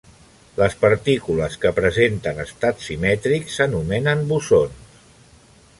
Les partícules que presenten estats simètrics s'anomenen bosons.